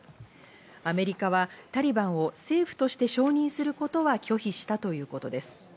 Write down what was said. アメリカはタリバンを政府として承認することは拒否したということです。